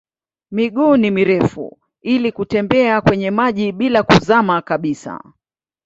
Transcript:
Miguu ni mirefu ili kutembea kwenye maji bila kuzama kabisa.